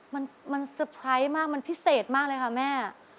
มันสุดสนใจมากมันพิเศษมากเลยค่ะแม่